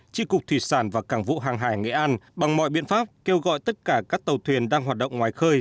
tri cục thủy sản và cảng vụ hàng hải nghệ an bằng mọi biện pháp kêu gọi tất cả các tàu thuyền đang hoạt động ngoài khơi